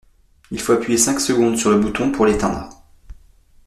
Il faut appuyer cinq secondes sur le bouton pour l'éteindre.